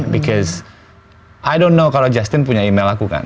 because i don't know kalau justin punya email aku kan